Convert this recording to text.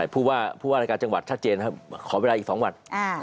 ผู้ว่าผู้ว่ารายการจังหวัดชัดเจนครับขอเวลาอีก๒วัน